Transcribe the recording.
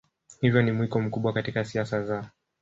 hivyo ni mwiko mkubwa katika siasa za